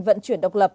vận chuyển độc lực